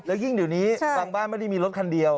แล้วยิ่งเดี๋ยวนี้บางบ้านไม่ได้มีรถคันเดียว